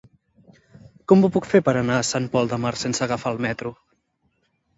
Com ho puc fer per anar a Sant Pol de Mar sense agafar el metro?